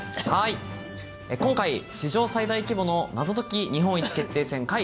今回、史上最大規模の謎解き日本一決定戦かい